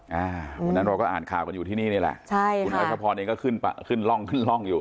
วันนั้นเราก็อ่านข่าวกันอยู่ที่นี่นี่แหละคุณอาชะพรเองก็ขึ้นร่องอยู่